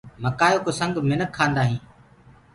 مڪآئيو ڪآ سنگ منک کآندآ هينٚ۔